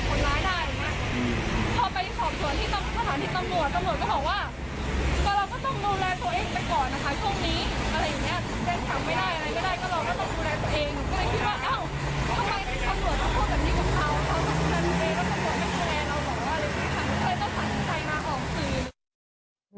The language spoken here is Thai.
ก็เลยต้องสั่งสินใจมาออกคืน